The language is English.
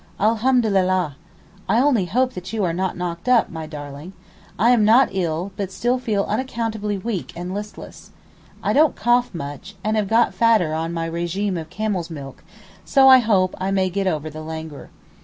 Alhamdulillah! I only hope that you are not knocked up, my darling. I am not ill, but still feel unaccountably weak and listless. I don't cough much, and have got fatter on my régime of camel's milk,—so I hope I may get over the languor.